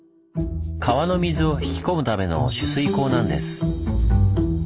川の水を引き込むための取水口なんです。